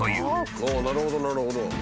なるほどなるほど。